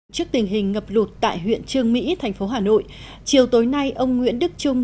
trước tình hình ngập lụt tại huyện trương mỹ thành phố hà nội chiều tối nay ông nguyễn đức trung